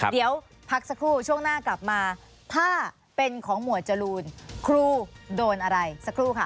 เดี๋ยวพักสักครู่ช่วงหน้ากลับมาถ้าเป็นของหมวดจรูนครูโดนอะไรสักครู่ค่ะ